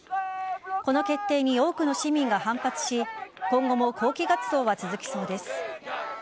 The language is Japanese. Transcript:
この決定に多くの市民が反発し今後も抗議活動は続きそうです。